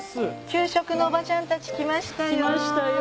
給食のおばちゃんたち来ましたよ。